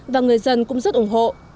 và người dân cũng rất ủng hộ